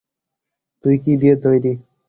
তুই কি দিয়ে তৈরী?